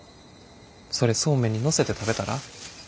それそうめんに載せて食べたら？